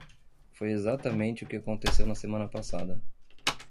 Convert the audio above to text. Foi exatamente o que aconteceu na semana passada.